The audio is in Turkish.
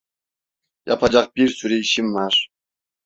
Yapacak bir sürü işim var.